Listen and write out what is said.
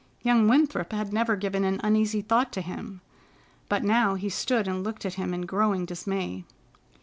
Young Winthrop had never given an uneasy thought to him, but now he stood and looked at him in growing dismay.